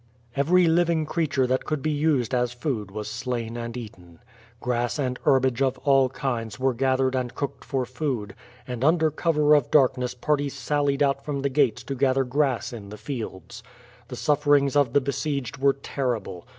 Every living creature that could be used as food was slain and eaten. Grass and herbage of all kinds were gathered and cooked for food, and under cover of darkness parties sallied out from the gates to gather grass in the fields. The sufferings of the besieged were terrible.